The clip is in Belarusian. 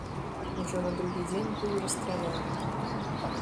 Ужо на другі дзень быў расстраляны.